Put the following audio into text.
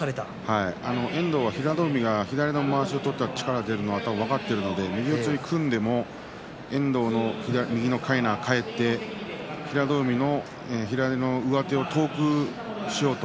遠藤は、平戸海が左のまわしを取ったら力が出るのは分かっているので右四つに組んでも遠藤の右のかいなが返って平戸海の左の上手を遠くしようと。